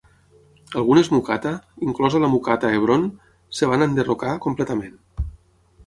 Algunes mukataa, inclosa la mukataa a Hebron, es van enderrocar completament.